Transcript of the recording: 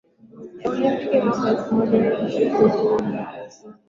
ya Olimpiki ya mwaka elfu moja mia tisa themanini Filbert Bayi alisema vijana